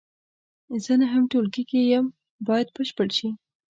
زه نهم ټولګي کې یم باید بشپړ شي.